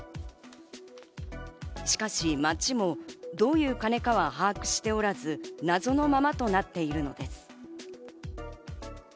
しかし、町もどういう金かは把握しておらず、謎のままとなっているのです。